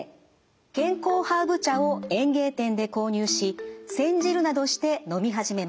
健康ハーブ茶を園芸店で購入し煎じるなどして飲み始めました。